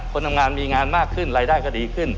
คนทำงานมีงานมากขึ้นรายได้ก็ดีขึ้น